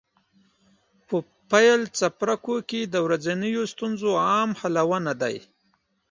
په پیل څپرکو کې د ورځنیو ستونزو عام حلونه دي.